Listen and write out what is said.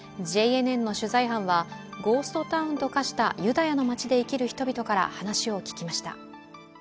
ＪＮＮの取材班はゴーストタウンと化したユダヤの町で生きる人々から話を聞きました。